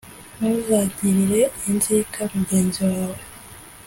Ntuzagirire inzika mugenzi wawe,